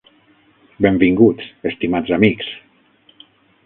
Benvinguts, estimats amics.